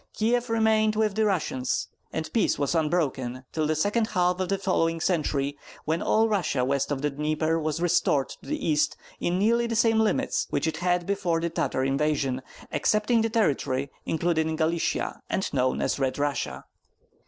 Kieff remained with the Russians, and peace was unbroken till the second half of the following century, when all Russia west of the Dnieper was restored to the East in nearly the same limits which it had before the Tartar invasion; excepting the territory included in Galicia, and known as Red Russia.